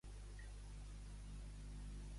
Per què va anar a viure a la capital d'Espanya?